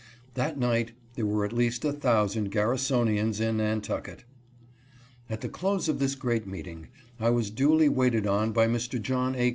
That night there were at least a thousand Garri sonians in Nantucket ! At the close of this great meeting I was duly waited on by Mr. John A.